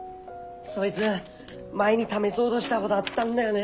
そいづ前に試そうどしたごどあったんだよね。